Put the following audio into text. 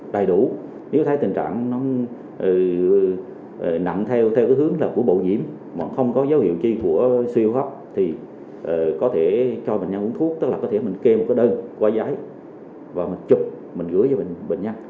đầy đủ nếu thấy tình trạng nó nặng theo hướng là của bộ nhiễm mà không có dấu hiệu chi của siêu hấp thì có thể cho bệnh nhân uống thuốc tức là có thể mình kê một đơn qua giấy và mình chụp mình gửi cho bệnh nhân